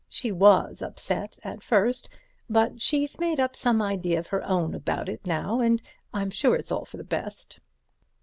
She was upset at first, but she's made up some idea of her own about it now, and I'm sure it's all for the best."